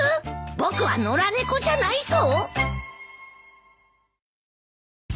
僕は野良猫じゃないぞ。